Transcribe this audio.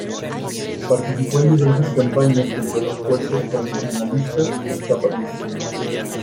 Participó en diversas campañas contra las fuerzas convencionistas-zapatistas.